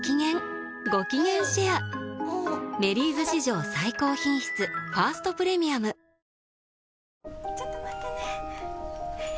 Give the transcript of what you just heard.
ごきげんシェア「メリーズ」史上最高品質「ファーストプレミアム」ちょっと待ってね。